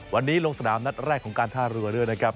วันนี้ลงสนามนัดแรกของการท่าเรือด้วยนะครับ